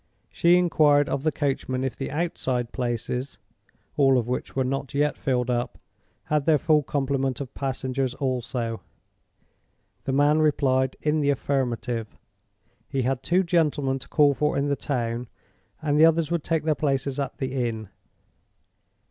She inquired of the coachman if the outside places (all of which were not yet filled up) had their full complement of passengers also. The man replied in the affirmative. He had two gentlemen to call for in the town, and the others would take their places at the inn.